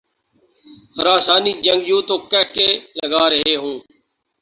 خراسانی جنگجو تو قہقہے لگارہے ہوں۔